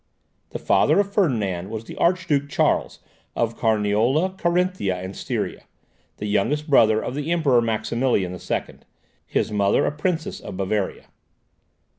The father of Ferdinand was the Archduke Charles of Carniola, Carinthia, and Styria, the youngest brother of the Emperor Maximilian II.; his mother a princess of Bavaria.